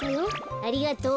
ありがとう。